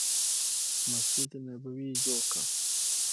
مسجد نبوي یې جوړ کړ.